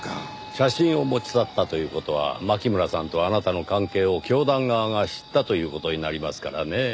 写真を持ち去ったという事は牧村さんとあなたの関係を教団側が知ったという事になりますからねぇ。